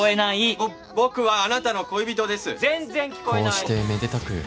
こうしてめでたく